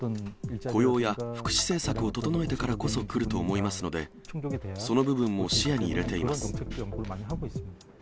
雇用や福祉政策を整えてからこそ来ると思いますので、その部分も視野に入れています。